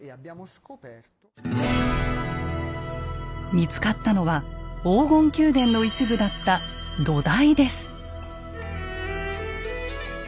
見つかったのは黄金宮殿の一部だった「土台」です。